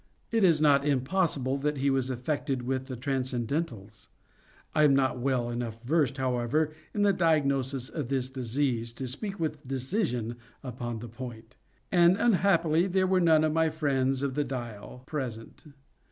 It is not impossible that he was affected with the transcendentals. I am not well enough versed, however, in the diagnosis of this disease to speak with decision upon the point; and unhappily there were none of my friends of the "Dial" present.